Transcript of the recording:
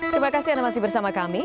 terima kasih anda masih bersama kami